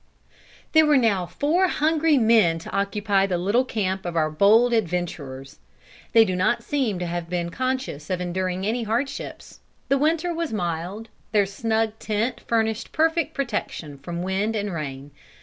There were now four hungry men to occupy the little camp of our bold adventurers. They do not seem to have been conscious of enduring any hardships. The winter was mild. Their snug tent furnished perfect protection from wind and rain.